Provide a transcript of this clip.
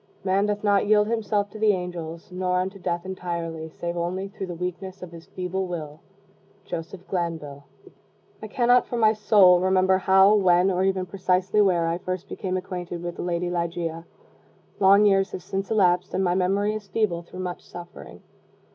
Man doth not yield himself to the angels, nor unto death utterly, save only through the weakness of his feeble will. Joseph Glanvill. I cannot, for my soul, remember how, when, or even precisely where, I first became acquainted with the lady Ligeia. Long years have since elapsed, and my memory is feeble through much suffering.